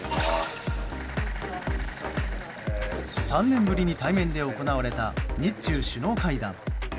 ３年ぶりに対面で行われた日中首脳会談。